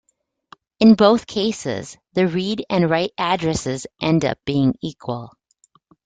In both cases, the read and write addresses end up being equal.